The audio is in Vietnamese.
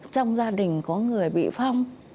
trong gia đình có người bị phong